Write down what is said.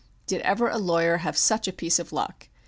Did ever a lawyer have such a piece of luck?